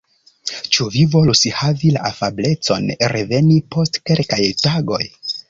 Ĉu vi volus havi la afablecon reveni post kelkaj tagoj?